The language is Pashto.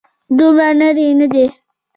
دومره لرې نه دی.